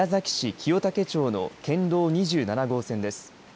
清武町の県道２７号線です。